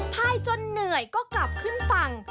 พายจนเหนื่อยก็กลับขึ้นฝั่ง